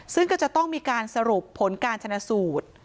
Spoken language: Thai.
ซึ่งก็จะต้องมีการสรุปผลการชนะสูตร